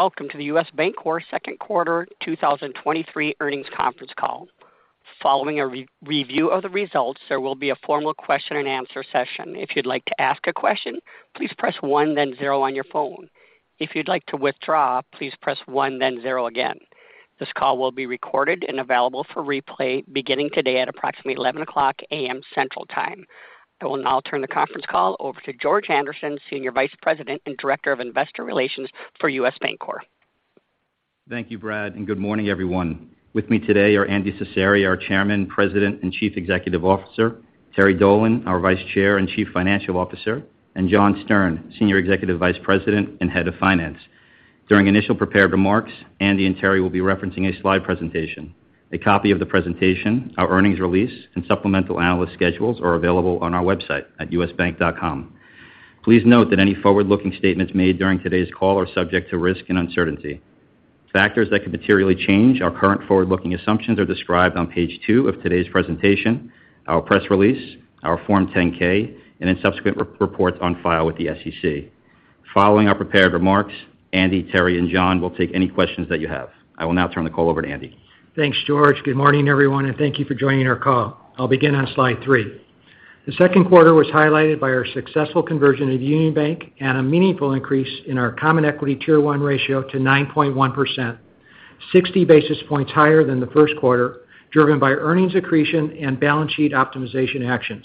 Welcome to the U.S. Bancorp Q2 2023 earnings conference call. Following a re-review of the results, there will be a formal question-and-answer session. If you'd like to ask a question, please press one, then zero on your phone. If you'd like to withdraw, please press one, then zero again. This call will be recorded and available for replay beginning today at approximately 11:00 A.M. Central Time. I will now turn the conference call over to George Anderson, Senior Vice President and Director of Investor Relations for U.S. Bancorp. Thank you, Brad. Good morning, everyone. With me today are Andy Cecere, our Chairman, President, and Chief Executive Officer, Terry Dolan, our Vice Chair and Chief Financial Officer, and John Stern, Senior Executive Vice President and Head of Finance. During initial prepared remarks, Andy and Terry will be referencing a slide presentation. A copy of the presentation, our earnings release, and supplemental analyst schedules are available on our website at usbank.com. Please note that any forward-looking statements made during today's call are subject to risk and uncertainty. Factors that could materially change our current forward-looking assumptions are described on page 2 of today's presentation, our press release, our Form 10-K, and in subsequent re-reports on file with the SEC. Following our prepared remarks, Andy, Terry, and John will take any questions that you have. I will now turn the call over to Andy. Thanks, George. Good morning, everyone, thank you for joining our call. I'll begin on slide 3. The Q2 was highlighted by our successful conversion of Union Bank and a meaningful increase in our Common Equity Tier 1 ratio to 9.1%, 60 basis points higher than the first quarter, driven by earnings accretion and balance sheet optimization actions.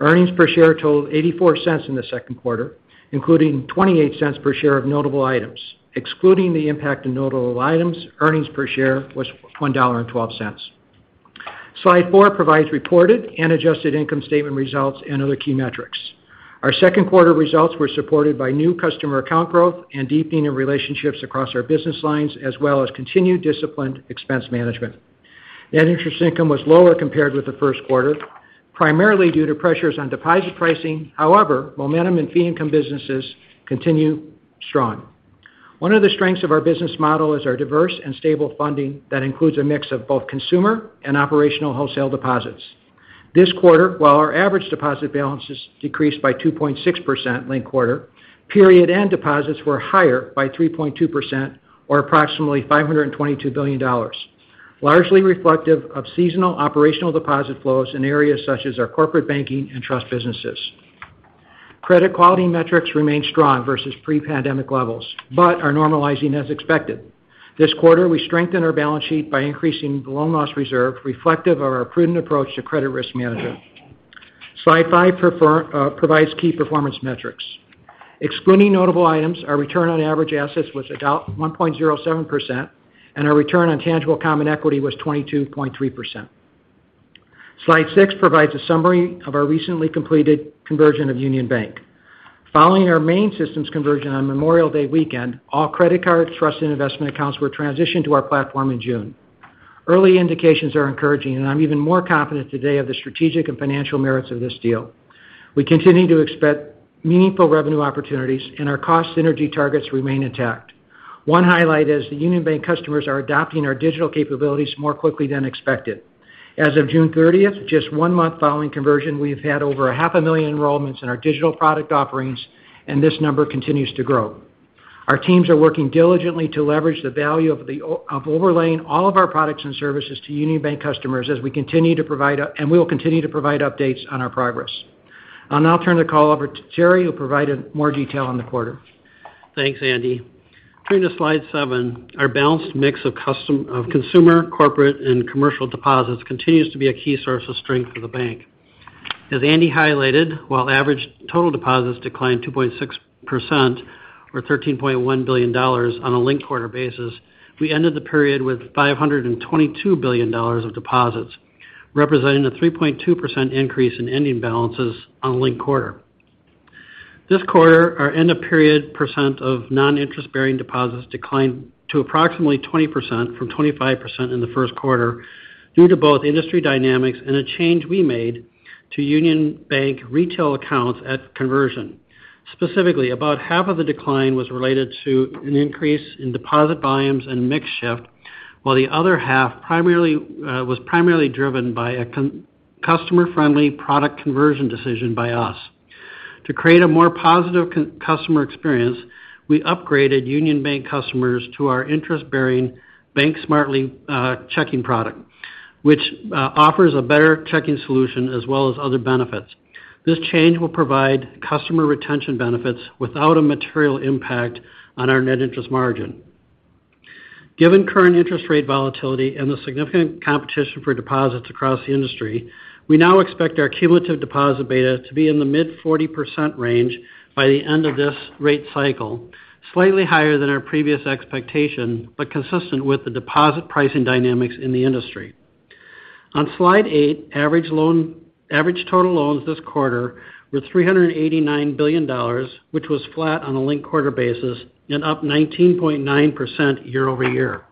Earnings per share totaled $0.84 in the second quarter, including $0.28 per share of notable items. Excluding the impact of notable items, earnings per share was $1.12. Slide 4 provides reported and adjusted income statement results and other key metrics. Our Q2 results were supported by new customer account growth and deepening of relationships across our business lines, as well as continued disciplined expense management. Net interest income was lower compared with the Q1, primarily due to pressures on deposit pricing. However, momentum and fee income businesses continue strong. One of the strengths of our business model is our diverse and stable funding that includes a mix of both consumer and operational wholesale deposits. This quarter, while our average deposit balances decreased by 2.6% linked quarter, period end deposits were higher by 3.2% or approximately $522 billion, largely reflective of seasonal operational deposit flows in areas such as our corporate banking and trust businesses. Credit quality metrics remain strong versus pre-pandemic levels but are normalizing as expected. This quarter, we strengthened our balance sheet by increasing the loan loss reserve, reflective of our prudent approach to credit risk management. Slide five provides key performance metrics. Excluding notable items, our return on average assets was about 1.07%, and our return on tangible common equity was 22.3%. Slide 6 provides a summary of our recently completed conversion of Union Bank. Following our main systems conversion on Memorial Day weekend, all credit card, trust, and investment accounts were transitioned to our platform in June. Early indications are encouraging, and I'm even more confident today of the strategic and financial merits of this deal. We continue to expect meaningful revenue opportunities, and our cost synergy targets remain intact. One highlight is that Union Bank customers are adopting our digital capabilities more quickly than expected. As of June 30, just one month following conversion, we've had over a half a million enrollments in our digital product offerings, and this number continues to grow. Our teams are working diligently to leverage the value of the of overlaying all of our products and services to Union Bank customers as we continue to provide and we will continue to provide updates on our progress. I'll now turn the call over to Terry, who will provide more detail on the quarter. Thanks, Andy. Turning to slide 7, our balanced mix of consumer, corporate, and commercial deposits continues to be a key source of strength for the bank. As Andy highlighted, while average total deposits declined 2.6%, or $13.1 billion on a linked quarter basis, we ended the period with $522 billion of deposits, representing a 3.2% increase in ending balances on linked quarter. This quarter, our end-of-period percent of non-interest-bearing deposits declined to approximately 20% from 25% in the Q1, due to both industry dynamics and a change we made to Union Bank retail accounts at conversion. Specifically, about half of the decline was related to an increase in deposit volumes and mix shift, while the other half primarily was primarily driven by a customer-friendly product conversion decision by us. To create a more positive customer experience, we upgraded Union Bank customers to our interest-bearing Bank Smartly checking product, which offers a better checking solution as well as other benefits. This change will provide customer retention benefits without a material impact on our net interest margin. Given current interest rate volatility and the significant competition for deposits across the industry, we now expect our cumulative deposit beta to be in the mid-40% range by the end of this rate cycle, slightly higher than our previous expectation, consistent with the deposit pricing dynamics in the industry. On slide 8, average total loans this quarter were $389 billion, which was flat on a linked quarter basis and up 19.9% year-over-year.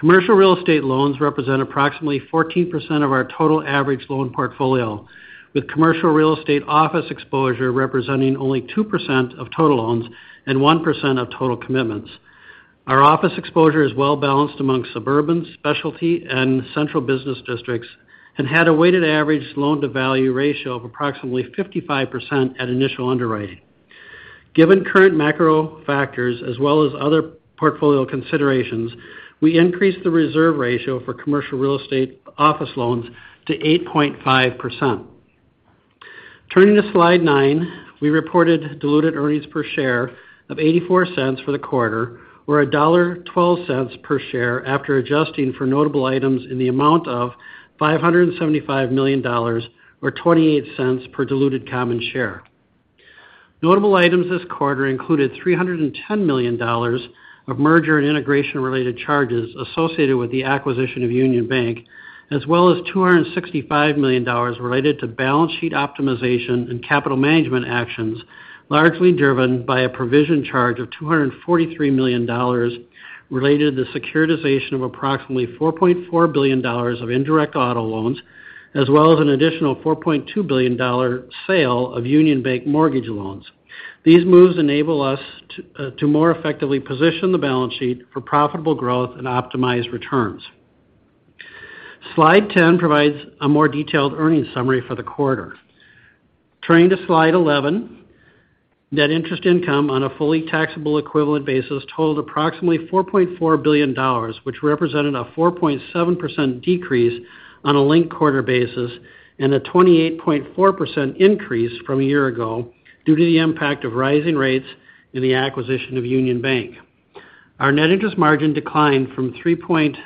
Commercial real estate loans represent approximately 14% of our total average loan portfolio, with commercial real estate office exposure representing only 2% of total loans and 1% of total commitments. Our office exposure is well-balanced among suburban, specialty, and central business districts and had a weighted average loan-to-value ratio of approximately 55% at initial underwriting. Given current macro factors as well as other portfolio considerations, we increased the reserve ratio for commercial real estate office loans to 8.5%. Turning to Slide 9, we reported diluted earnings per share of $0.84 for the quarter, or $1.12 per share, after adjusting for notable items in the amount of $575 million, or $0.28 per diluted common share. Notable items this quarter included $310 million of merger and integration-related charges associated with the acquisition of Union Bank, as well as $265 million related to balance sheet optimization and capital management actions, largely driven by a provision charge of $243 million related to the securitization of approximately $4.4 billion of indirect auto loans, as well as an additional $4.2 billion sale of Union Bank mortgage loans. These moves enable us to more effectively position the balance sheet for profitable growth and optimized returns. Slide 10 provides a more detailed earnings summary for the quarter. Turning to Slide 11, net interest income on a fully tax-equivalent basis totaled approximately $4.4 billion, which represented a 4.7% decrease on a linked quarter basis and a 28.4% increase from a year ago due to the impact of rising rates in the acquisition of Union Bank. Our net interest margin declined from 3.10%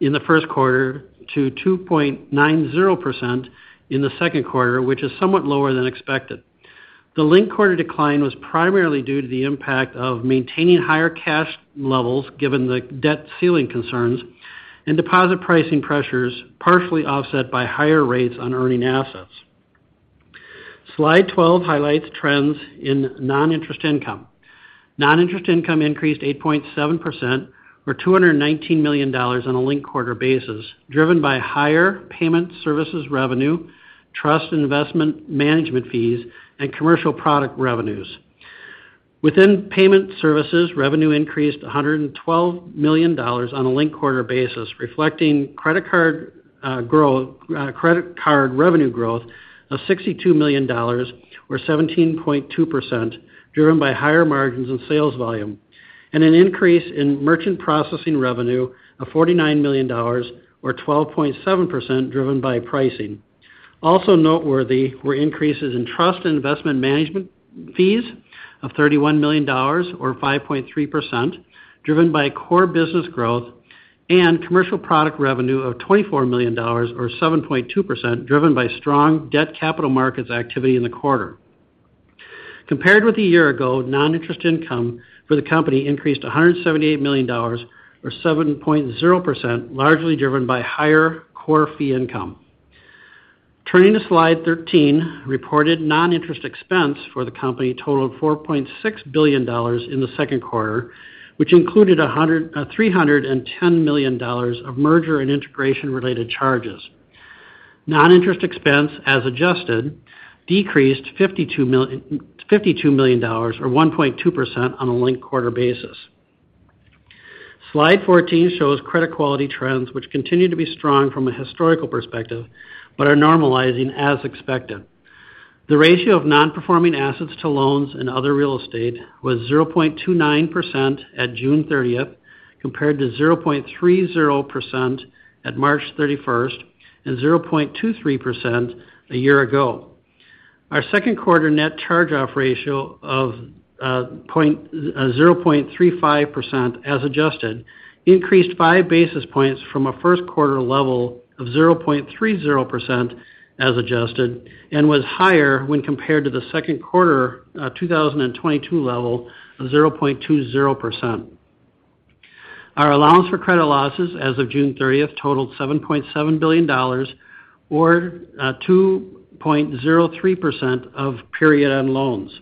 in the Q1 to 2.90% in the second quarter, which is somewhat lower than expected. The linked quarter decline was primarily due to the impact of maintaining higher cash levels, given the debt ceiling concerns and deposit pricing pressures, partially offset by higher rates on earning assets. Slide 12 highlights trends in non-interest income. Non-interest income increased 8.7%, or $219 million on a linked quarter basis, driven by higher payment services revenue, trust investment management fees, and commercial product revenues. Within payment services, revenue increased $112 million on a linked quarter basis, reflecting credit card revenue growth of $62 million, or 17.2%, driven by higher margins and sales volume, and an increase in merchant processing revenue of $49 million or 12.7%, driven by pricing. Also noteworthy were increases in trust and investment management fees of $31 million or 5.3%, driven by core business growth and commercial product revenue of $24 million or 7.2%, driven by strong Debt Capital Markets activity in the quarter. Compared with a year ago, non-interest income for the company increased $178 million or 7.0%, largely driven by higher core fee income. Turning to Slide 13, reported non-interest expense for the company totaled $4.6 billion in the Q2, which included $310 million of merger and integration-related charges. Non-interest expense, as adjusted, decreased $52 million or 1.2% on a linked quarter basis. Slide 14 shows credit quality trends, which continue to be strong from a historical perspective, but are normalizing as expected. The ratio of non-performing assets to loans and other real estate was 0.29% on June 30, compared to 0.30% at March 31 and 0.23% a year ago. Our Q2 net charge-off ratio of 0.35% as adjusted, increased 5 basis points from a first quarter level of 0.30% as adjusted and was higher when compared to the Q2 2022 level of 0.20%. Our allowance for credit losses as of June 30 totaled $7.7 billion or 2.03% of period on loans.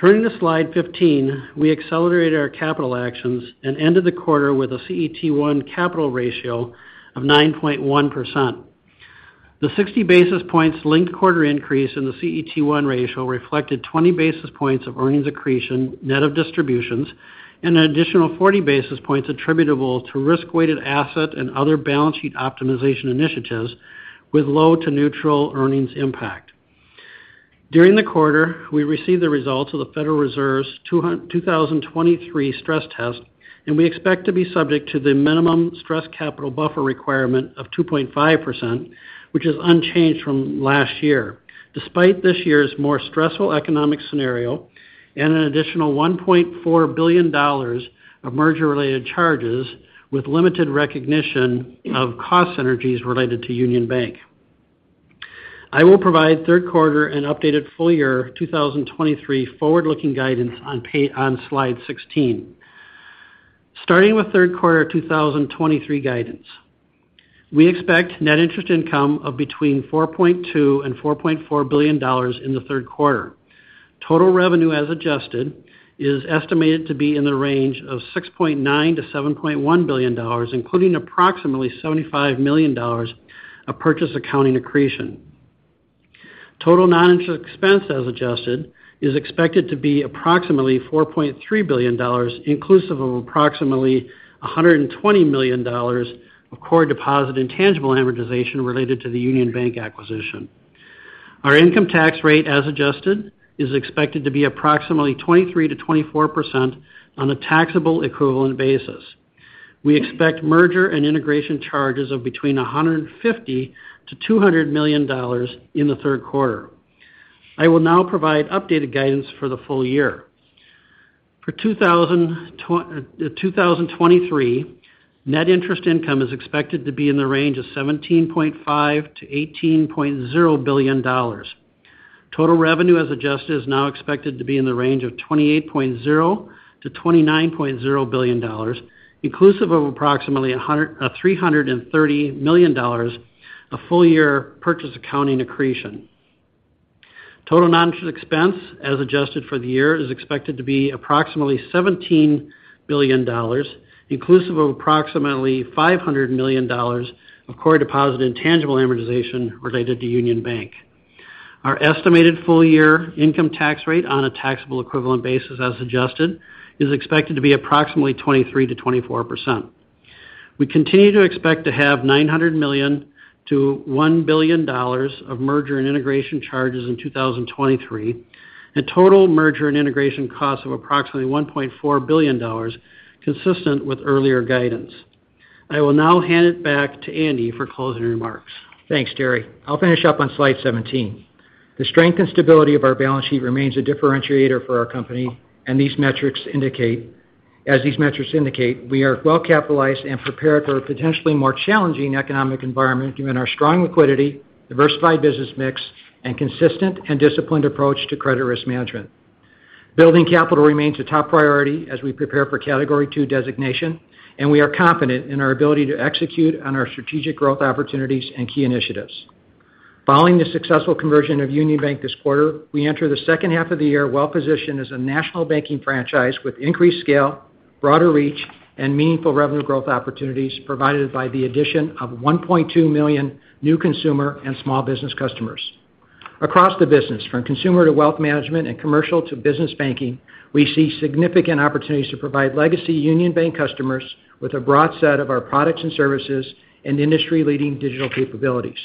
Turning to Slide 15, we accelerated our capital actions and ended the quarter with a CET1 capital ratio of 9.1%. The 60 basis points linked quarter increase in the CET1 ratio reflected 20 basis points of earnings accretion, net of distributions, and an additional 40 basis points attributable to risk-weighted assets and other balance sheet optimization initiatives, with low to neutral earnings impact. During the quarter, we received the results of the Federal Reserve's 2023 stress test. We expect to be subject to the minimum stress capital buffer requirement of 2.5%, which is unchanged from last year. Despite this year's more stressful economic scenario and an additional $1.4 billion of merger-related charges with limited recognition of cost synergies related to Union Bank. I will provide Q3 and updated full year 2023 forward-looking guidance on Slide 16. Starting with third quarter 2023 guidance. We expect net interest income of between $4.2 billion and $4.4 billion in the Q3. Total revenue, as adjusted, is estimated to be in the range of $6.9 billion-$7.1 billion, including approximately $75 million of purchase accounting accretion. Total non-interest expense as adjusted is expected to be approximately $4.3 billion, inclusive of approximately $120 million of core deposit intangible amortization related to the Union Bank acquisition. Our income tax rate, as adjusted, is expected to be approximately 23%-24% on a taxable equivalent basis. We expect merger and integration charges of between $150 million-$200 million in the Q3. I will now provide updated guidance for the full year. For 2023, net interest income is expected to be in the range of $17.5 billion-$18.0 billion. Total revenue, as adjusted, is now expected to be in the range of $28.0 billion-$29.0 billion, inclusive of approximately $330 million of full-year purchase accounting accretion. Total non-interest expense, as adjusted for the year, is expected to be approximately $17 billion, inclusive of approximately $500 million of core deposit intangible amortization related to Union Bank. Our estimated full-year income tax rate on a taxable equivalent basis, as adjusted, is expected to be approximately 23%-24%. We continue to expect to have $900 million-$1 billion of merger and integration charges in 2023, and total merger and integration costs of approximately $1.4 billion, consistent with earlier guidance. I will now hand it back to Andy for closing remarks. Thanks, Terry. I'll finish up on slide 17. The strength and stability of our balance sheet remains a differentiator for our company, as these metrics indicate, we are well capitalized and prepared for a potentially more challenging economic environment, given our strong liquidity, diversified business mix, and consistent and disciplined approach to credit risk management. Building capital remains a top priority as we prepare for Category II designation, we are confident in our ability to execute on our strategic growth opportunities and key initiatives. Following the successful conversion of Union Bank this quarter, we enter the second half of the year well-positioned as a national banking franchise with increased scale, broader reach, and meaningful revenue growth opportunities provided by the addition of $1.2 million new consumer and small business customers. Across the business, from consumer to wealth management and commercial to business banking, we see significant opportunities to provide legacy Union Bank customers with a broad set of our products and services and industry-leading digital capabilities.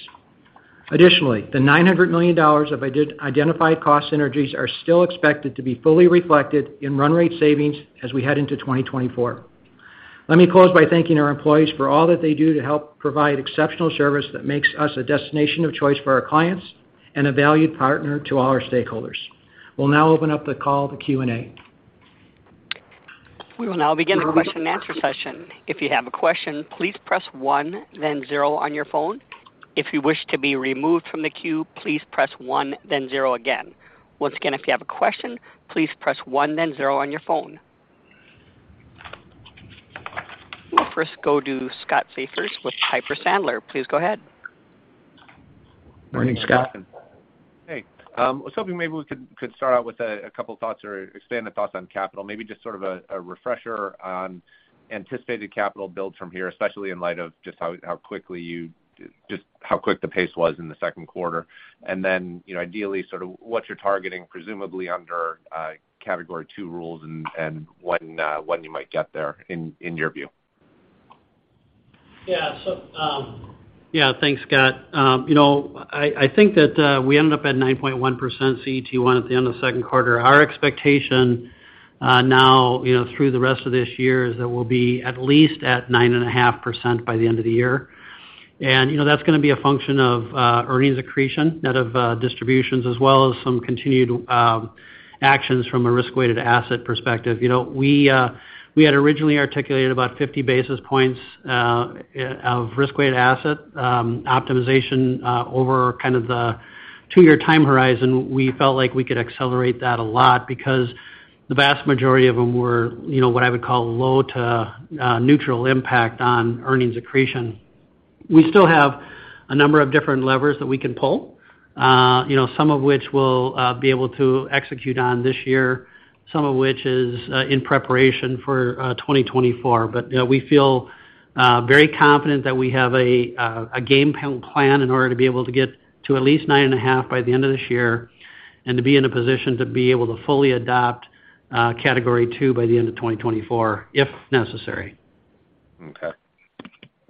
Additionally, the $900 million of identified cost synergies are still expected to be fully reflected in run rate savings as we head into 2024. Let me close by thanking our employees for all that they do to help provide exceptional service that makes us a destination of choice for our clients and a valued partner to all our stakeholders. We'll now open up the call to Q&A. We will now begin the question and answer session. If you have a question, please press 1, then 0 on your phone. If you wish to be removed from the queue, please press 1, then 0 again. Once again, if you have a question, please press 1, then 0 on your phone. We'll first go to Scott Siefers with Piper Sandler. Please go ahead. Morning, Scott. Hey, I was hoping maybe we could start out with a couple of thoughts or expanded thoughts on capital. Maybe just sort of a refresher on anticipated capital build from here, especially in light of just how quick the pace was in the Q2. Then, you know, ideally, sort of what you're targeting, presumably under Category II rules and when you might get there in your view? Thanks, Scott. You know, I think that we ended up at 9.1% CET1 at the end of the Q2. Our expectation now, you know, through the rest of this year is that we'll be at least at 9.5% by the end of the year. You know, that's gonna be a function of earnings accretion, net of distributions, as well as some continued actions from a risk-weighted asset perspective. You know, we had originally articulated about 50 basis points of risk-weighted asset optimization over kind of the two-year time horizon. We felt like we could accelerate that a lot because the vast majority of them were, you know, what I would call low to neutral impact on earnings accretion. We still have a number of different levers that we can pull, you know, some of which we'll be able to execute on this year, some of which is in preparation for 2024. We feel very confident that we have a game plan in order to be able to get to at least 9.5 by the end of this year, and to be in a position to be able to fully adopt Category II by the end of 2024, if necessary. Okay.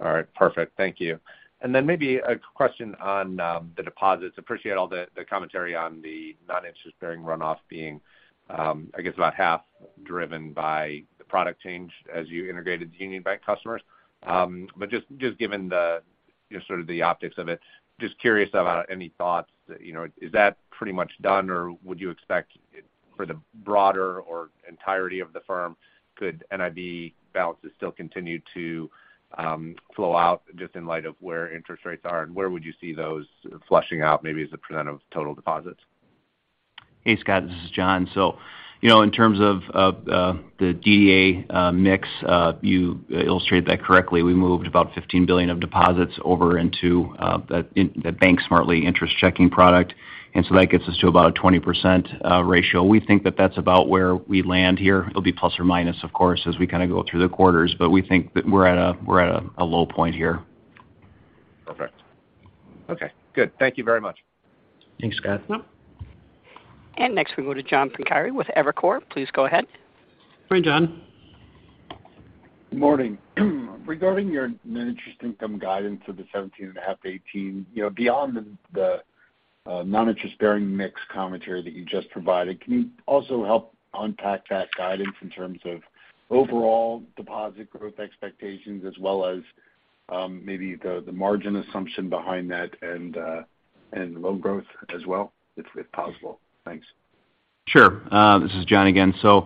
All right. Perfect. Thank you. Then maybe a question on the deposits. Appreciate all the commentary on the non-interest-bearing runoff being, I guess, about half driven by the product change as you integrated the Union Bank customers. Just given the, you know, sort of the optics of it, just curious about any thoughts that, you know, is that pretty much done, or would you expect it for the broader or entirety of the firm, could NIB balances still continue to flow out just in light of where interest rates are? Where would you see those flushing out, maybe as a % of total deposits? Hey, Scott, this is John. You know, in terms of DDA mix, you illustrated that correctly. We moved about $15 billion of deposits over into that, the Bank Smartly interest checking product, that gets us to about a 20% ratio. We think that that's about where we land here. It'll be plus or minus, of course, as we kind of go through the quarters, but we think that we're at a low point here. Perfect. Okay, good. Thank you very much. Thanks, Scott. Next, we go to John Pancari with Evercore. Please go ahead. Hi, John. Good morning. Regarding your net interest income guidance for the 17.5%-18%, you know, beyond the non-interest-bearing mix commentary that you just provided, can you also help unpack that guidance in terms of overall deposit growth expectations as well as, maybe the margin assumption behind that and loan growth as well, if possible? Thanks. Sure. This is John again. You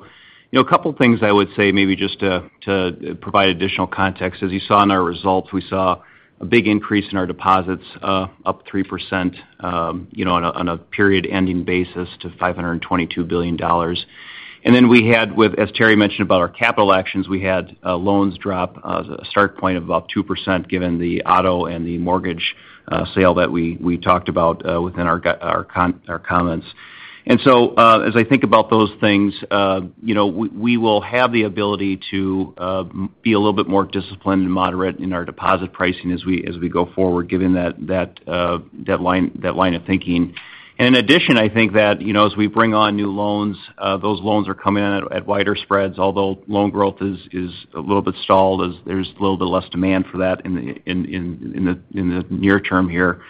know, a couple things I would say maybe just to provide additional context. As you saw in our results, we saw a big increase in our deposits, up 3%, on a period-ending basis to $522 billion. We had with, as Terry mentioned about our capital actions, we had loans drop, a start point of about 2%, given the auto and the mortgage sale that we talked about within our comments. As I think about those things, you know, we will have the ability to be a little bit more disciplined and moderate in our deposit pricing as we go forward, given that line, that line of thinking. In addition, I think that, you know, as we bring on new loans, those loans are coming in at wider spreads, although loan growth is a little bit stalled, as there's a little bit less demand for that in the near term here.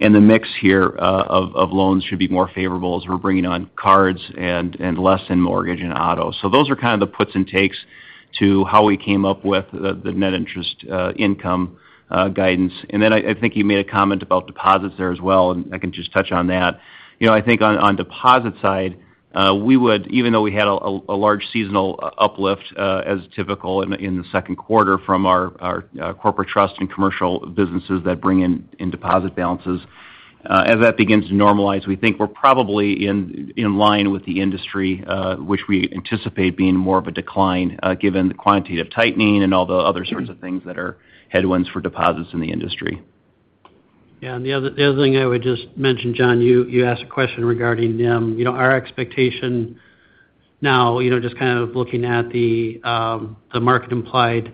The mix here of loans should be more favorable as we're bringing on cards and less in mortgage and auto. Those are kind of the puts and takes to how we came up with the net interest income guidance. I think you made a comment about deposits there as well, and I can just touch on that. You know, I think on deposit side, we would, even though we had a large seasonal uplift, as typical in the Q2 from our corporate trust and commercial businesses that bring in deposit balances. As that begins to normalize, we think we're probably in line with the industry, which we anticipate being more of a decline, given the quantitative tightening and all the other sorts of things that are headwinds for deposits in the industry. The other thing I would just mention, John, you asked a question regarding NIM. You know, our expectation now, you know, just kind of looking at the market-implied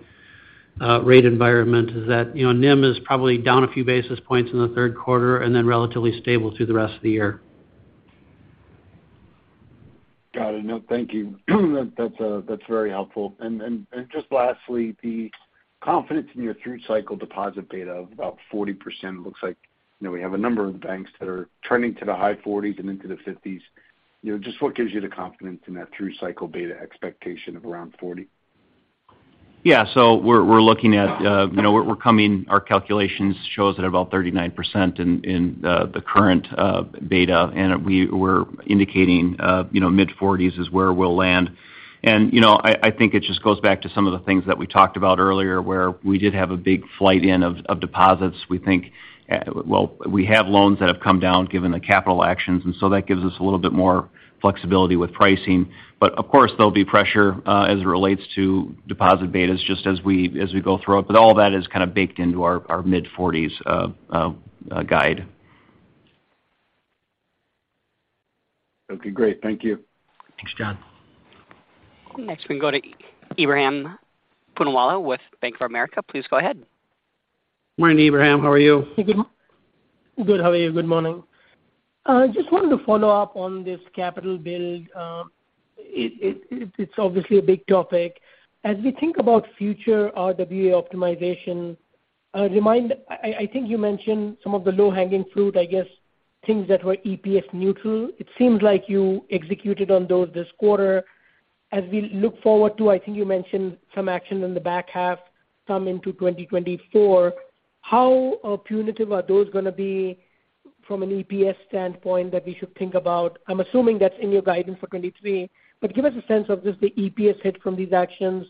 rate environment, is that, you know, NIM is probably down a few basis points in the third quarter and then relatively stable through the rest of the year. Got it. No, thank you. That's very helpful. Just lastly, the confidence in your through-cycle deposit beta of about 40% looks like, you know, we have a number of banks that are trending to the high 40s and into the 50s. You know, just what gives you the confidence in that through-cycle beta expectation of around 40? Yeah. We're looking at, you know, our calculations shows that about 39% in the current beta, and we're indicating, you know, mid-forties is where we'll land. You know, I think it just goes back to some of the things that we talked about earlier, where we did have a big flight in of deposits. We think, well, we have loans that have come down, given the capital actions, and so that gives us a little bit more flexibility with pricing. Of course, there'll be pressure as it relates to deposit betas, just as we, as we go through it. All that is kind of baked into our mid-forties guide. Okay, great. Thank you. Thanks, John. Next, we go to Ebrahim Poonawala with Bank of America. Please go ahead. Morning, Ebrahim, how are you? Good. How are you? Good morning. Just wanted to follow up on this capital build. It's obviously a big topic. As we think about future RWA optimization, I think you mentioned some of the low-hanging fruit, I guess things that were EPS neutral. It seems like you executed on those this quarter. As we look forward to, I think you mentioned some actions in the back half come into 2024, how punitive are those gonna be from an EPS standpoint that we should think about? I'm assuming that's in your guidance for 2023, give us a sense of just the EPS hit from these actions,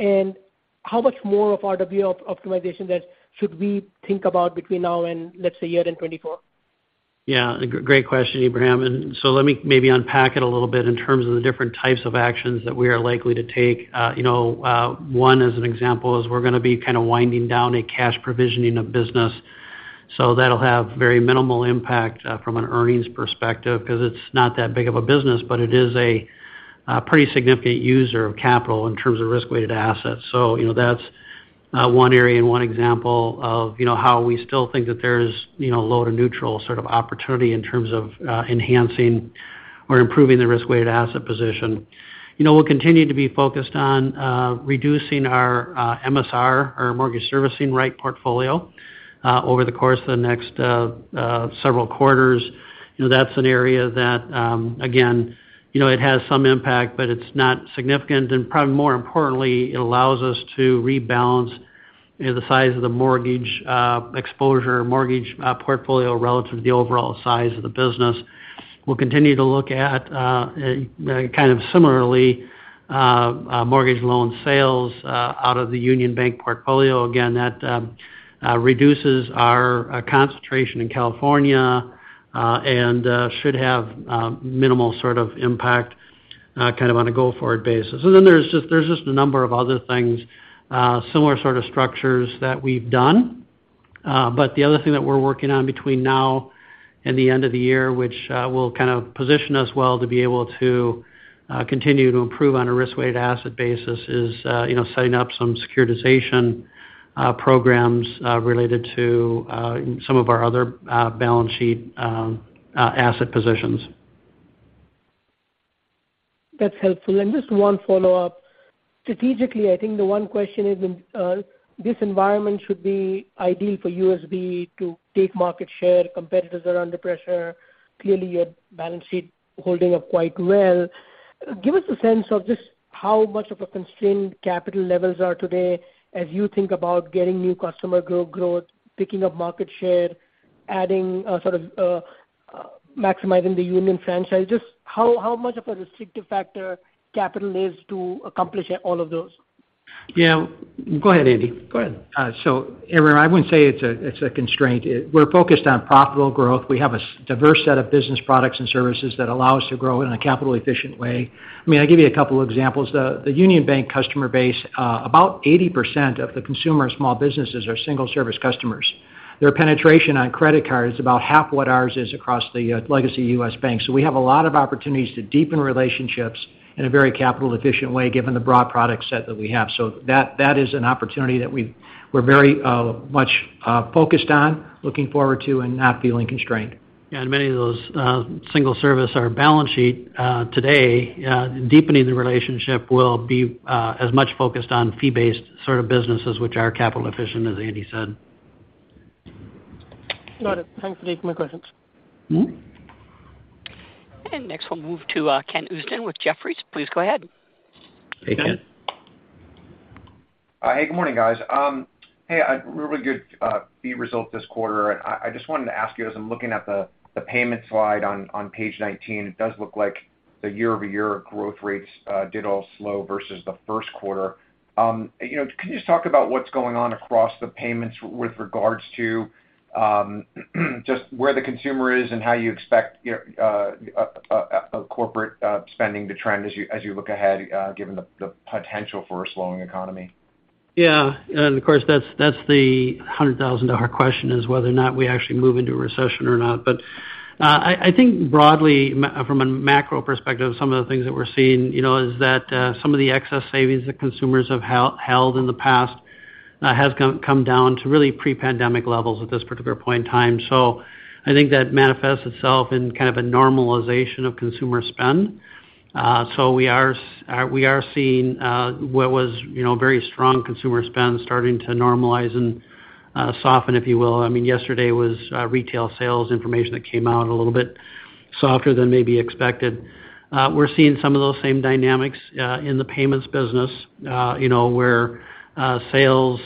and how much more of RWA optimization that should we think about between now and, let's say, year-end 2024? Yeah, a great question, Ebrahim, let me maybe unpack it a little bit in terms of the different types of actions that we are likely to take. You know, one, as an example, is we are going to be kind of winding down a cash provisioning of business, that will have very minimal impact from an earnings perspective because it is not that big of a business, but it is a pretty significant user of capital in terms of risk-weighted assets. You know, that is one area and one example of, you know, how we still think that there is, you know, low to neutral sort of opportunity in terms of enhancing or improving the risk-weighted asset position. You know, we'll continue to be focused on reducing our MSR, our Mortgage Servicing Rights portfolio, over the course of the next several quarters. You know, that's an area that, again, you know, it has some impact, but it's not significant, and more importantly, it allows us to rebalance, you know, the size of the mortgage exposure, mortgage portfolio relative to the overall size of the business. We'll continue to look at kind of similarly mortgage loan sales out of the Union Bank portfolio. Again, that reduces our concentration in California and should have minimal sort of impact kind of on a go-forward basis. There's just a number of other things, similar sort of structures that we've done. The other thing that we're working on between now and the end of the year, which will kind of position us well to be able to continue to improve on a risk-weighted asset basis, is, you know, setting up some securitization programs related to some of our other balance sheet asset positions. That's helpful. Just one follow-up. Strategically, I think the one question is, in this environment should be ideal for USB to take market share. Competitors are under pressure. Clearly, your balance sheet holding up quite well. Give us a sense of just how much of a constrained capital levels are today as you think about getting new customer growth, picking up market share, adding, sort of, maximizing the Union franchise. Just how much of a restrictive factor capital is to accomplish all of those? Yeah. Go ahead, Andy. Go ahead. Andy Cecere, I wouldn't say it's a constraint. We're focused on profitable growth. We have a diverse set of business products and services that allow us to grow in a capital efficient way. I mean, I'll give you a couple of examples. The Union Bank customer base, about 80% of the consumer small businesses are single service customers. Their penetration on credit card is about half what ours is across the legacy U.S. Bank. We have a lot of opportunities to deepen relationships in a very capital efficient way, given the broad product set that we have. That is an opportunity that we're very much focused on, looking forward to, and not feeling constrained. Yeah, many of those, single service, our balance sheet, today, deepening the relationship will be as much focused on fee-based sort of businesses, which are capital efficient, as Andy said. Got it. Thanks for taking my questions. Mm-hmm. Next, we'll move to Ken Usdin with Jefferies. Please go ahead. Hey, Ken. Hey, good morning, guys. Hey, a really good fee result this quarter. I just wanted to ask you, as I'm looking at the payment slide on page 19, it does look like the year-over-year growth rates did all slow versus the Q1. You know, can you just talk about what's going on across the payments with regards to just where the consumer is and how you expect your corporate spending to trend as you look ahead, given the potential for a slowing economy? And of course, that's the $100,000 question, is whether or not we actually move into a recession or not. I think broadly from a macro perspective, some of the things that we're seeing, you know, is that, some of the excess savings that consumers have held in the past, has come down to really pre-pandemic levels at this particular point in time. I think that manifests itself in kind of a normalization of consumer spend. We are seeing, what was, you know, very strong consumer spend starting to normalize and, soften, if you will. Yesterday was, retail sales information that came out a little bit softer than maybe expected. We're seeing some of those same dynamics in the payments business, you know, where sales,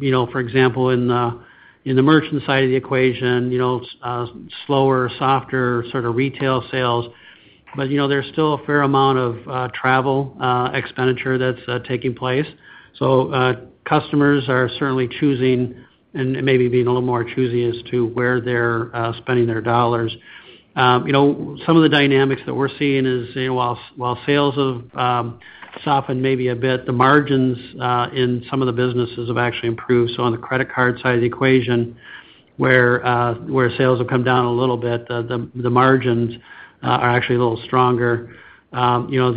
you know, for example, in the merchant side of the equation, you know, slower, softer sort of retail sales. You know, there's still a fair amount of travel expenditure that's taking place. Customers are certainly choosing and maybe being a little more choosy as to where they're spending their dollars. You know, some of the dynamics that we're seeing is, you know, while sales have softened maybe a bit, the margins in some of the businesses have actually improved. On the credit card side of the equation, where sales have come down a little bit, the margins are actually a little stronger. You know,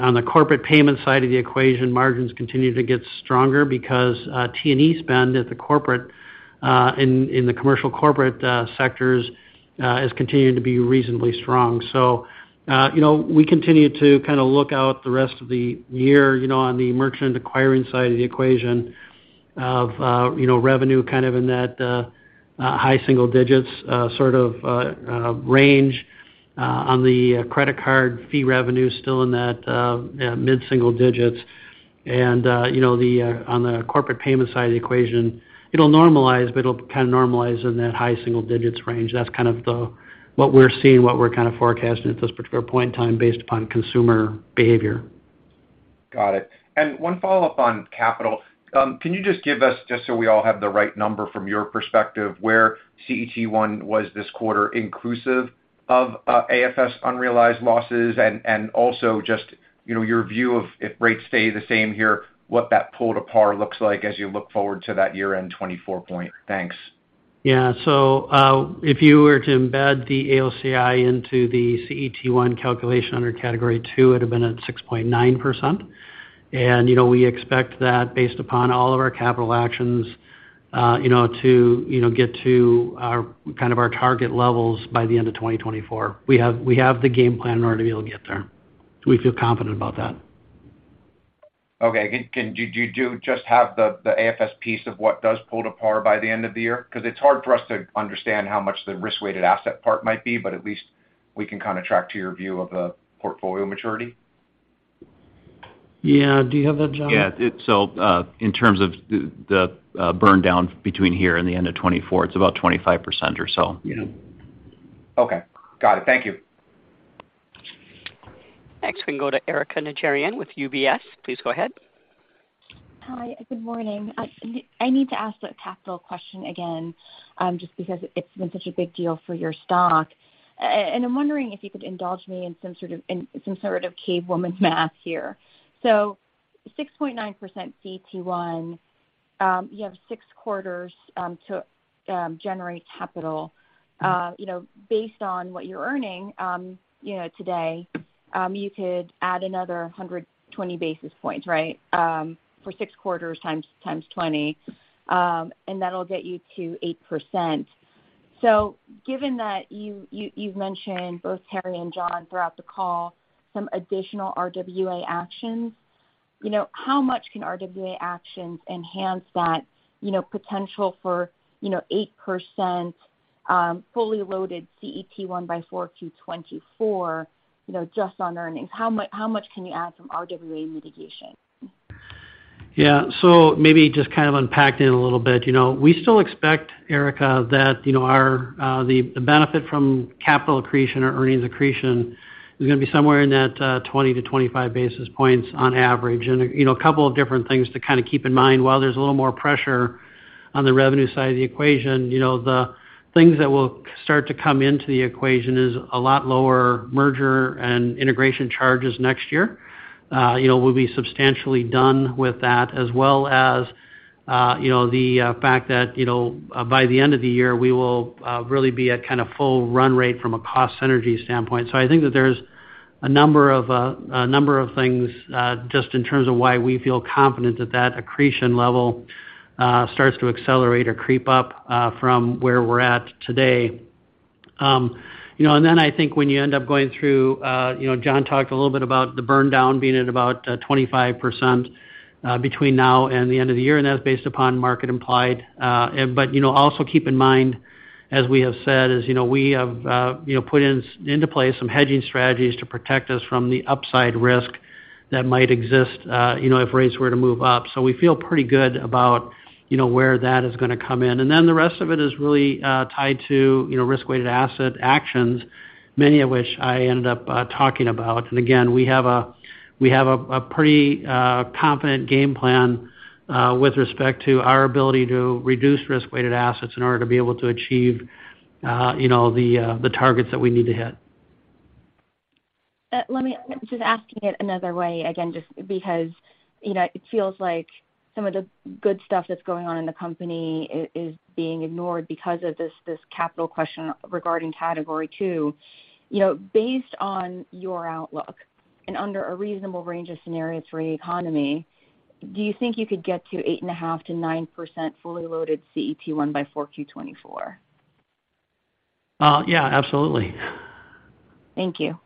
on the corporate payment side of the equation, margins continue to get stronger because T&E spend at the corporate in the commercial corporate sectors has continued to be reasonably strong. You know, we continue to kind of look out the rest of the year, you know, on the merchant acquiring side of the equation of, you know, revenue kind of in that high single digits sort of range. On the credit card fee revenue is still in that mid-single digits. You know, on the corporate payment side of the equation, it'll normalize, but it'll kind of normalize in that high single digits range. That's kind of the, what we're seeing, what we're kind of forecasting at this particular point in time based upon consumer behavior. Got it. One follow-up on capital. Can you just give us, just so we all have the right number from your perspective, where CET1 was this quarter inclusive of AFS unrealized losses? Also just, you know, your view of if rates stay the same here, what that pull to par looks like as you look forward to that year-end 2024 point. Thanks. Yeah. If you were to embed the AOCI into the CET1 calculation under Category II, it would have been at 6.9%. You know, we expect that based upon all of our capital actions, you know, to, you know, get to our, kind of our target levels by the end of 2024. We have the game plan in order to be able to get there. We feel confident about that. Okay. Do you just have the AFS piece of what does pull to par by the end of the year? It's hard for us to understand how much the risk-weighted asset part might be, but at least we can kind of track to your view of the portfolio maturity. Yeah. Do you have that, John? Yeah. In terms of the burn down between here and the end of 2024, it's about 25% or so. Yeah. Okay. Got it. Thank you. Next, we can go to Erika Najarian with UBS. Please go ahead. Hi, good morning. I need to ask the capital question again, just because it's been such a big deal for your stock. I'm wondering if you could indulge me in some sort of cave woman math here. 6.9% CET1, you have six quarters to generate capital. You know, based on what you're earning, you know, today, you could add another 120 basis points, right? For six quarters times 20, that'll get you to 8%. Given that you've mentioned, both Terry and John, throughout the call, some additional RWA actions, you know, how much can RWA actions enhance that, you know, potential for, you know, 8% fully loaded CET1 by 4Q 2024, you know, just on earnings? How much can you add from RWA mitigation? Yeah. Maybe just kind of unpacking it a little bit. You know, we still expect, Erika, that, you know, our, the benefit from capital accretion or earnings accretion is gonna be somewhere in that 20 to 25 basis points on average. You know, a couple of different things to kind of keep in mind. While there's a little more pressure on the revenue side of the equation, you know, the things that will start to come into the equation is a lot lower merger and integration charges next year. You know, we'll be substantially done with that, as well as, you know, the fact that, you know, by the end of the year, we will really be at kind of full run rate from a cost synergy standpoint. I think that there's a number of, a number of things, just in terms of why we feel confident that that accretion level starts to accelerate or creep up from where we're at today. you know, I think when you end up going through, you know, John Stern talked a little bit about the burn down being at about 25% between now and the end of the year, and that's based upon market implied. you know, also keep in mind, as we have said, is, you know, we have, you know, put in, into place some hedging strategies to protect us from the upside risk that might exist you know if rates were to move up. We feel pretty good about you know where that is gonna come in. Then the rest of it is really, tied to, you know, risk-weighted asset actions, many of which I ended up talking about. Again, we have a pretty confident game plan, with respect to our ability to reduce risk-weighted assets in order to be able to achieve, you know, the targets that we need to hit. Just asking it another way, again, just because, you know, it feels like some of the good stuff that's going on in the company is being ignored because of this capital question regarding Category II. You know, based on your outlook and under a reasonable range of scenarios for the economy, do you think you could get to 8.5%-9% fully loaded CET1 by 4Q 2024? Yeah, absolutely. Thank you.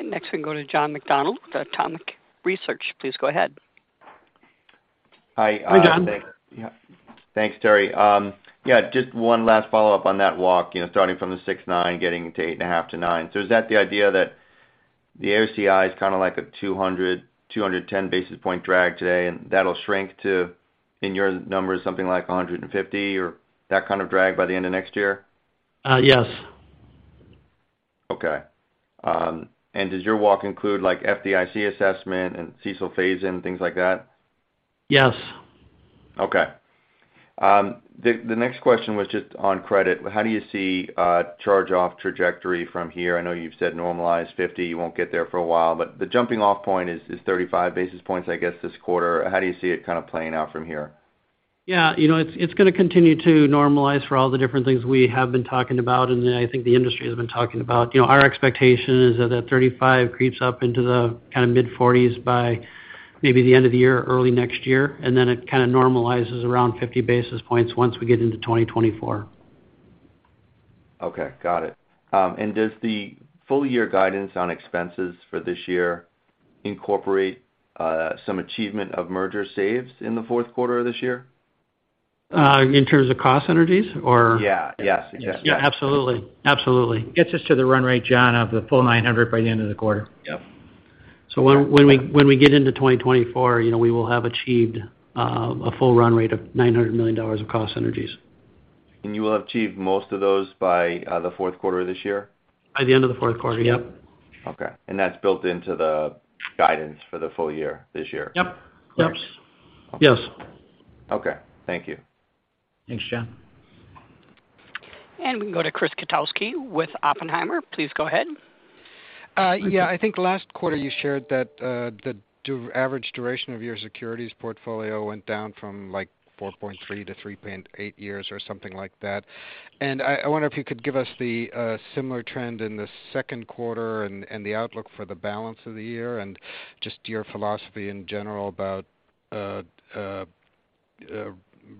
Next, we go to John McDonald with Autonomous Research. Please go ahead. Hi. Hi, John. Thanks, Terry. Just one last follow-up on that walk, you know, starting from the 6.9, getting to 8.5-9. Is that the idea that the AOCI is kind of like a 200-210 basis point drag today, and that'll shrink to, in your numbers, something like 150 or that kind of drag by the end of next year? Yes. Okay. And does your walk include, like, FDIC assessment and CECL phase-in, things like that? Yes. Okay. The next question was just on credit. How do you see charge-off trajectory from here? I know you've said normalize 50, you won't get there for a while, but the jumping-off point is 35 basis points, I guess, this quarter. How do you see it kind of playing out from here? Yeah, you know, it's gonna continue to normalize for all the different things we have been talking about, and I think the industry has been talking about. You know, our expectation is that the 35 creeps up into the kind of mid-40s by maybe the end of the year or early next year, and then it kind of normalizes around 50 basis points once we get into 2024. Okay, got it. Does the full year guidance on expenses for this year incorporate some achievement of merger saves in the Q4 of this year? in terms of cost synergies Yeah. Yes, yes. Yeah, absolutely. Absolutely. Gets us to the run rate, John, of the full $900 by the end of the quarter. Yep. When we get into 2024, you know, we will have achieved a full run rate of $900 million of cost synergies. You will achieve most of those by the Q4 of this year? By the end of the fourth quarter, yep. Okay. That's built into the guidance for the full year, this year? Yep. Yep. Okay. Yes. Okay. Thank you. Thanks, John. We can go to Chris Kotowski with Oppenheimer. Please go ahead. Yeah, I think last quarter you shared that the average duration of your securities portfolio went down from, like, 4.3 to 3.8 years or something like that. I wonder if you could give us the similar trend in the Q2 and the outlook for the balance of the year, and just your philosophy in general about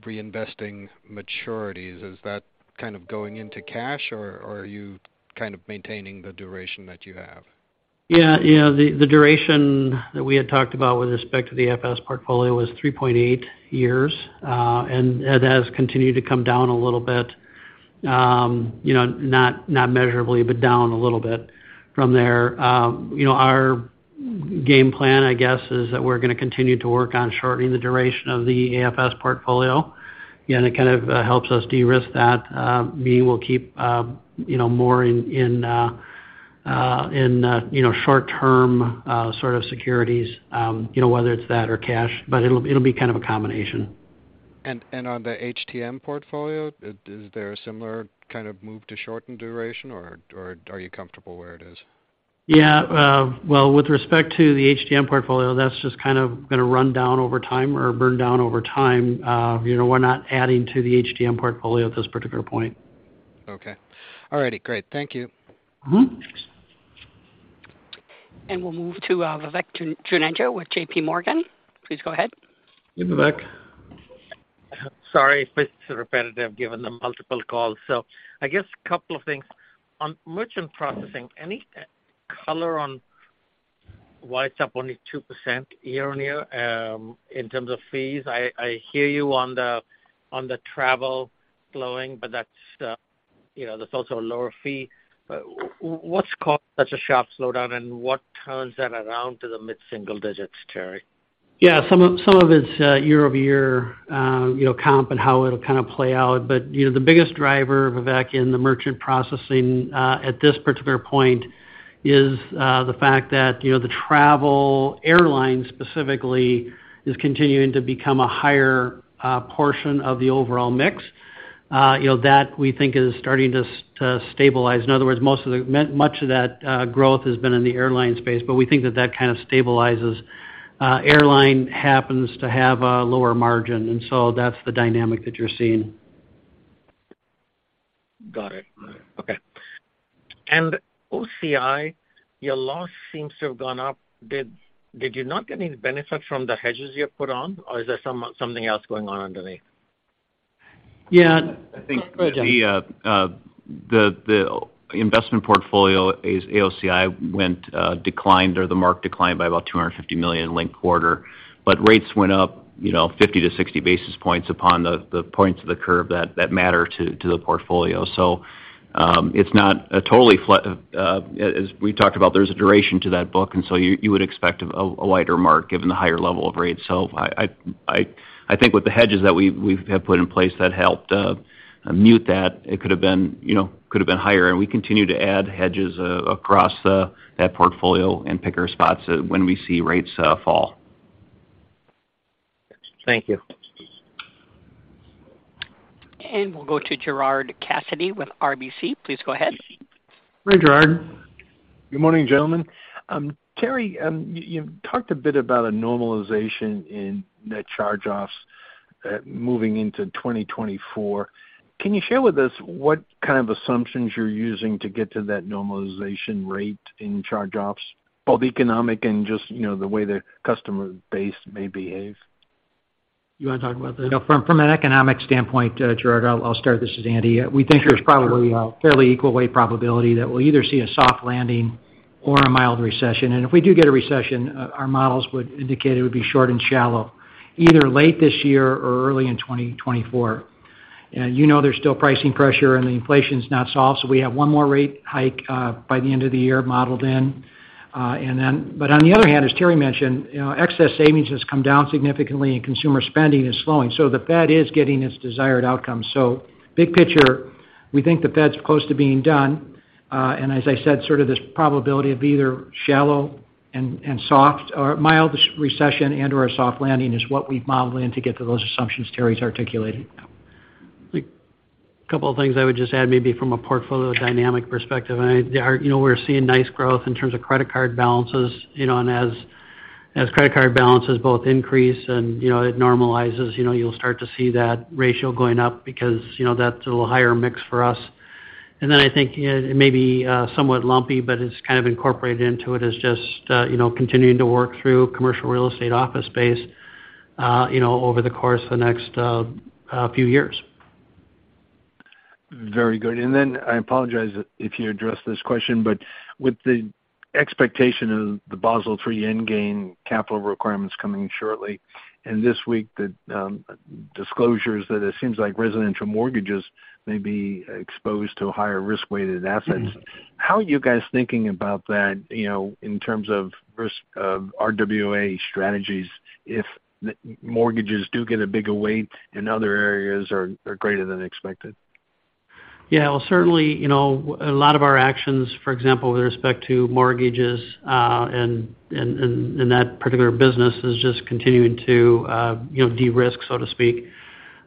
reinvesting maturities. Is that kind of going into cash, or are you kind of maintaining the duration that you have? Yeah, the duration that we had talked about with respect to the AFS portfolio was 3.8 years, and it has continued to come down a little bit. You know, not measurably, but down a little bit from there. You know, our game plan, I guess, is that we're gonna continue to work on shortening the duration of the AFS portfolio, and it kind of helps us de-risk that, meaning we'll keep, you know, more in short-term sort of securities, you know, whether it's that or cash, but it'll be kind of a combination. On the HTM portfolio, is there a similar kind of move to shorten duration, or are you comfortable where it is? Well, with respect to the HTM portfolio, that's just kind of gonna run down over time or burn down over time. You know, we're not adding to the HTM portfolio at this particular point. Okay. All righty, great. Thank you. Mm-hmm.... And we'll move to Vivek Juneja with JP Morgan. Please go ahead. Hey, Vivek. Sorry if it's repetitive, given the multiple calls. I guess a couple of things. On merchant processing, any color on why it's up only 2% year-on-year, in terms of fees? I hear you on the travel slowing, but that's, you know, that's also a lower fee. What's caused such a sharp slowdown, and what turns that around to the mid-single digits, Terry? Yeah, some of it's year-over-year, you know, comp and how it'll kind of play out. You know, the biggest driver, Vivek, in the merchant processing at this particular point is the fact that, you know, the travel, airlines specifically, is continuing to become a higher portion of the overall mix. You know, that, we think is starting to stabilize. In other words, much of that growth has been in the airline space, but we think that that kind of stabilizes. Airline happens to have a lower margin, that's the dynamic that you're seeing. Got it. Okay. OCI, your loss seems to have gone up. Did you not get any benefit from the hedges you put on, or is there something else going on underneath? Yeah. I think- Go ahead, Andy. The investment portfolio, AOCI went declined, or the mark declined by about $250 million linked quarter. Rates went up, you know, 50 to 60 basis points upon the points of the curve that matter to the portfolio. It's not a totally flat, as we talked about, there's a duration to that book, and so you would expect a wider mark given the higher level of rates. I think with the hedges that we have put in place, that helped mute that. It could have been, you know, could have been higher, and we continue to add hedges across that portfolio and pick our spots when we see rates fall. Thank you. We'll go to Gerard Cassidy with RBC. Please go ahead. Hi, Gerard. Good morning, gentlemen. Terry, you've talked a bit about a normalization in net charge-offs, moving into 2024. Can you share with us what kind of assumptions you're using to get to that normalization rate in charge-offs, both economic and just, you know, the way the customer base may behave? You want to talk about this? From an economic standpoint, Gerard, I'll start this as Andy. We think there's probably a fairly equal weight probability that we'll either see a soft landing or a mild recession. If we do get a recession, our models would indicate it would be short and shallow, either late this year or early in 2024. You know there's still pricing pressure, and the inflation's not solved, so we have one more rate hike by the end of the year modeled in. On the other hand, as Terry mentioned, you know, excess savings has come down significantly and consumer spending is slowing, so the Fed is getting its desired outcome. Big picture, we think the Fed's close to being done, and as I said, sort of this probability of either shallow and soft or mild recession and/or a soft landing is what we've modeled in to get to those assumptions Terry's articulating. A couple of things I would just add, maybe from a portfolio dynamic perspective, I, you know, we're seeing nice growth in terms of credit card balances, you know, and as credit card balances both increase and, you know, it normalizes, you know, you'll start to see that ratio going up because, you know, that's a little higher mix for us. Then I think it may be somewhat lumpy, but it's kind of incorporated into it as just, you know, continuing to work through commercial real estate office space, you know, over the course of the next few years. Very good. I apologize if you addressed this question, but with the expectation of the Basel III end game capital requirements coming shortly, and this week, the disclosures that it seems like residential mortgages may be exposed to a higher risk-weighted assets. How are you guys thinking about that, you know, in terms of risk of RWA strategies, if mortgages do get a bigger weight in other areas or are greater than expected? Yeah, well, certainly, you know, a lot of our actions, for example, with respect to mortgages, and that particular business is just continuing to, you know, de-risk, so to speak.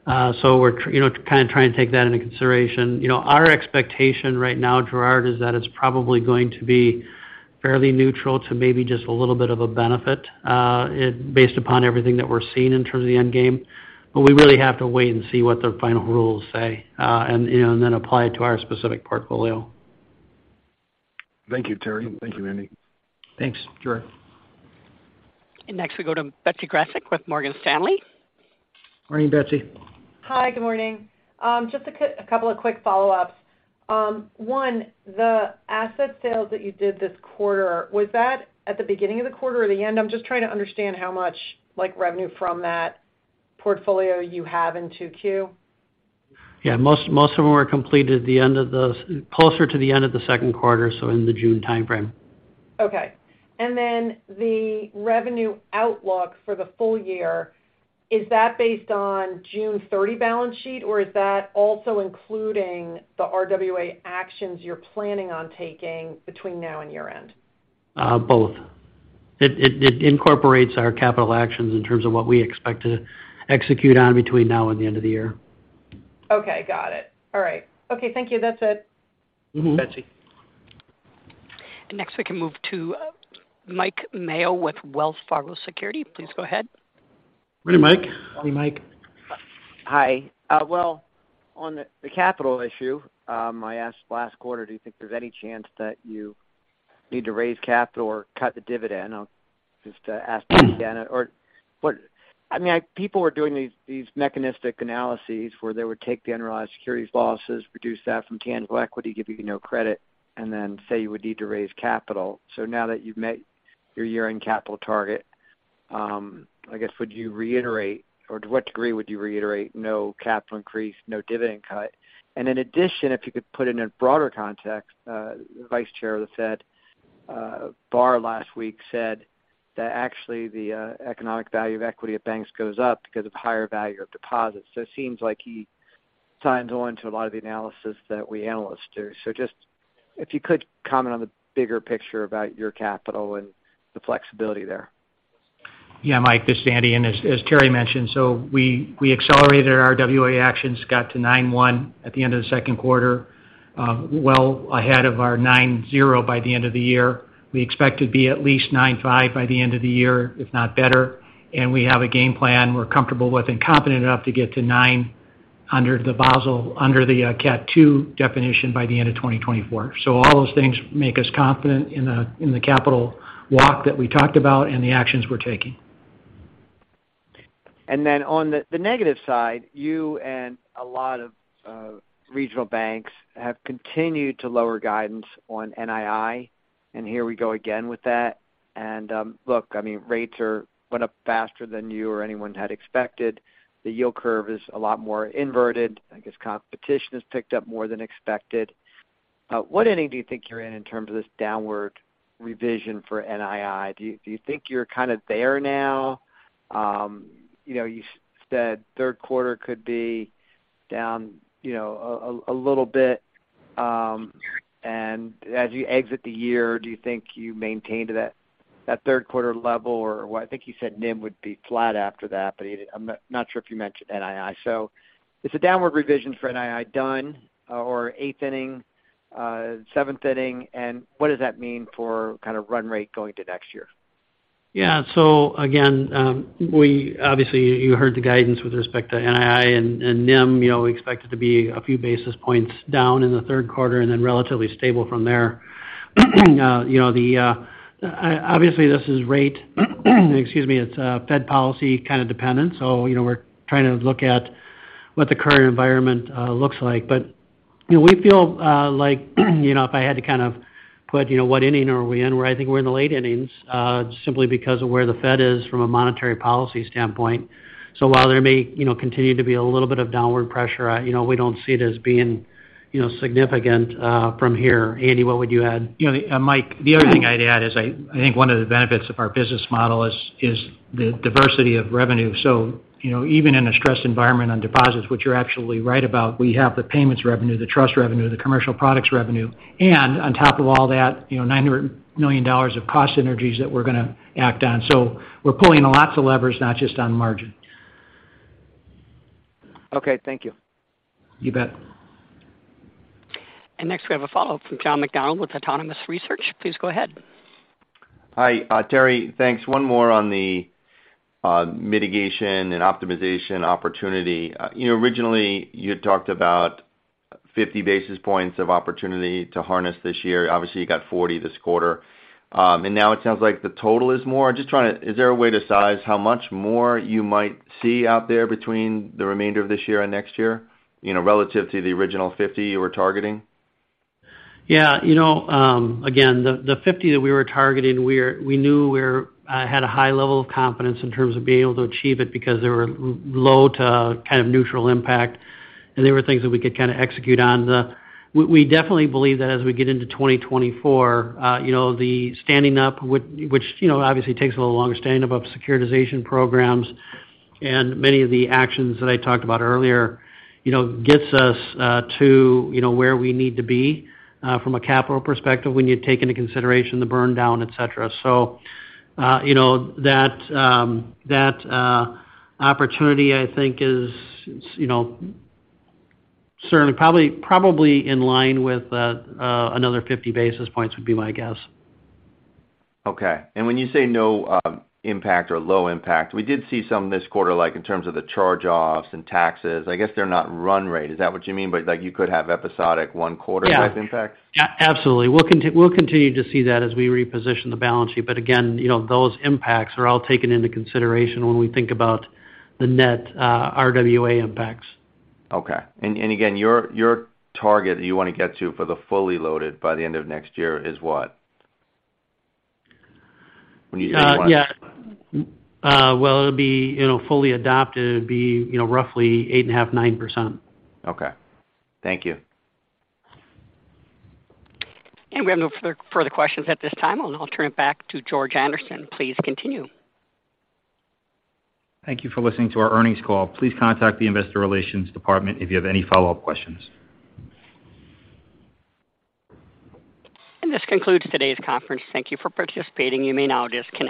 We're trying to take that into consideration. You know, our expectation right now, Gerard, is that it's probably going to be fairly neutral to maybe just a little bit of a benefit, it based upon everything that we're seeing in terms of the end game. We really have to wait and see what the final rules say, and, you know, and then apply it to our specific portfolio. Thank you, Terry. Thank you, Andy. Thanks, Gerard. Next, we go to Betsy Graseck with Morgan Stanley. Morning, Betsy. Hi, good morning. Just a couple of quick follow-ups. One, the asset sales that you did this quarter, was that at the beginning of the quarter or the end? I'm just trying to understand how much, like, revenue from that portfolio you have in 2Q. Yeah, most of them were completed at the end of the closer to the end of the second quarter, so in the June timeframe. Okay. Then the revenue outlook for the full year, is that based on June 30 balance sheet, or is that also including the RWA actions you're planning on taking between now and year-end? It incorporates our capital actions in terms of what we expect to execute on between now and the end of the year. Okay, got it. All right. Okay, thank you. That's it. Mm-hmm. Betsy. Next, we can move to Mike Mayo with Wells Fargo Securities. Please go ahead. Good morning, Mike. Good morning, Mike. Well, on the capital issue, I asked last quarter, do you think there's any chance that you need to raise capital or cut the dividend? I'll just ask again, I mean, people were doing these mechanistic analyses where they would take the unrealized securities losses, reduce that from tangible equity, give you no credit, and then say you would need to raise capital. Now that you've met your year-end capital target, I guess, would you reiterate, or to what degree would you reiterate no capital increase, no dividend cut? In addition, if you could put it in a broader context, the Vice Chair of the Fed, Barr, last week said that actually the Economic Value of Equity of banks goes up because of higher value of deposits. It seems like he signs on to a lot of the analysis that we analysts do. Just if you could comment on the bigger picture about your capital and the flexibility there. Yeah, Mike, this is Andy, and as Terry mentioned, we accelerated our RWA actions, got to 9.1 at the end of the Q2, well ahead of our 9.0 by the end of the year. We expect to be at least 9.5 by the end of the year, if not better, and we have a game plan we're comfortable with and confident enough to get to 9 under the Basel, under the CAT 2 definition by the end of 2024. All those things make us confident in the capital walk that we talked about and the actions we're taking. On the negative side, you and a lot of regional banks have continued to lower guidance on NII, and here we go again with that. Look, I mean, rates are went up faster than you or anyone had expected. The yield curve is a lot more inverted. I guess competition has picked up more than expected. What inning do you think you're in in terms of this downward revision for NII? Do you think you're kind of there now? you know, you said Q3 could be down, you know, a little bit, and as you exit the year, do you think you maintained to that Q3 level, or what? I think you said NIM would be flat after that, but I'm not sure if you mentioned NII. Is the downward revision for NII done, or eighth inning, seventh inning, and what does that mean for kind of run rate going to next year? Yeah. Again, we obviously, you heard the guidance with respect to NII and NIM. You know, we expect it to be a few basis points down in the third quarter and then relatively stable from there. You know, the, obviously, this is rate, excuse me, it's Fed policy kind of dependent. You know, we're trying to look at what the current environment looks like. You know, we feel like, you know, if I had to kind of put, you know, what inning are we in, where I think we're in the late innings, simply because of where the Fed is from a monetary policy standpoint. While there may, you know, continue to be a little bit of downward pressure, you know, we don't see it as being, you know, significant from here. Andy, what would you add? You know, Mike, the other thing I'd add is I think one of the benefits of our business model is the diversity of revenue. You know, even in a stressed environment on deposits, which you're actually right about, we have the payments revenue, the trust revenue, the commercial products revenue, and on top of all that, you know, $900 million of cost synergies that we're going to act on. We're pulling lots of levers, not just on margin. Okay, thank you. You bet. Next, we have a follow-up from John McDonald with Autonomous Research. Please go ahead. Hi, Terry. Thanks. One more on the mitigation and optimization opportunity. You know, originally you had talked about 50 basis points of opportunity to harness this year. Obviously, you got 40 this quarter. Now it sounds like the total is more. I'm just trying to. Is there a way to size how much more you might see out there between the remainder of this year and next year, you know, relative to the original 50 you were targeting? Yeah. You know, again, the 50 that we were targeting, we knew we're had a high level of confidence in terms of being able to achieve it because they were low to kind of neutral impact, and they were things that we could kind of execute on. We definitely believe that as we get into 2024, you know, the standing up, which, you know, obviously takes a little longer, standing up of securitization programs and many of the actions that I talked about earlier, you know, gets us to, you know, where we need to be from a capital perspective when you take into consideration the burn down, et cetera. You know, that opportunity, I think is, you know, certainly, probably in line with another 50 basis points would be my guess. Okay. When you say no, impact or low impact, we did see some this quarter, like, in terms of the charge-offs and taxes. I guess they're not run rate. Is that what you mean? Like, you could have episodic one quarter impact? Yeah. Absolutely. We'll continue to see that as we reposition the balance sheet. Again, you know, those impacts are all taken into consideration when we think about the net, RWA impacts. Okay. Again, your target you want to get to for the fully loaded by the end of next year is what? Yeah. Well, it'll be, you know, fully adopted. It'd be, you know, roughly 8.5, 9%. Okay. Thank you. We have no further questions at this time, and I'll turn it back to George Anderson. Please continue. Thank you for listening to our earnings call. Please contact the investor relations department if you have any follow-up questions. This concludes today's conference. Thank you for participating. You may now disconnect.